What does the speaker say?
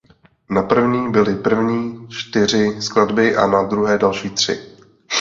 Na první byly první čtyři skladby a na druhé další tři.